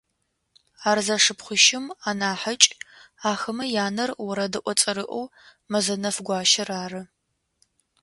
Ар зэшыпхъуищым анахьыкӏ, ахэмэ янэр орэдыӏо цӏэрыӏоу Мэзэнэф-Гуащэр ары.